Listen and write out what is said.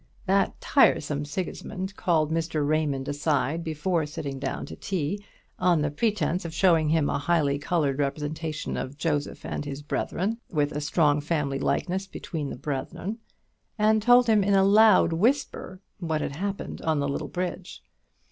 That tiresome Sigismund called Mr. Raymond aside, before sitting down to tea, on the pretence of showing him a highly coloured representation of Joseph and his Brethren, with a strong family likeness between the brethren; and told him in a loud whisper what had happened on the little bridge.